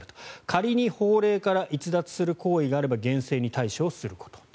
仮に法令から逸脱する行為があれば厳正に対処をすること。